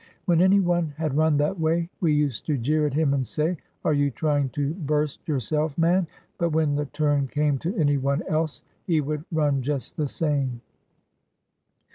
When any one had run that way, we used to jeer at him and say: "Are you trying to burst yourself, man?" But when the turn came to any one else he would run just the same.